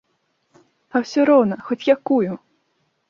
А ўсё роўна, хоць якую!